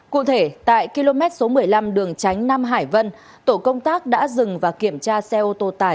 cụ thể tại km số một mươi năm đường tránh nam hải vân tổ công tác đã dừng và kiểm tra xe ô tô tải